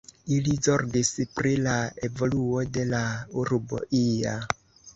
Ili zorgis pri la evoluo de la urbo ia.